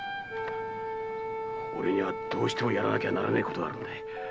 俺にはどうしてもやらなきゃならねえことがあるんだ。